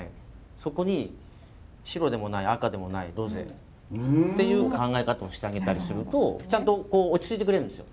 そこに白でもない赤でもないロゼっていう考え方をしてあげたりするとちゃんと落ち着いてくれるんですよ。